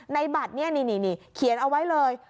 ในบัตรนี้เขียนเอาไว้เลย